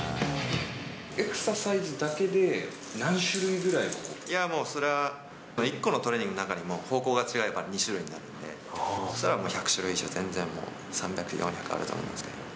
エクササイズだけで何種類ぐいやもう、それは１個のトレーニングの中でも、方向が違えば２種類になるんで、そしたら１００種類以上、全然もう、３００、４００あると思いますけど。